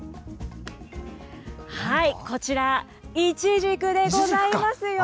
こちら、いちじくでございますよ。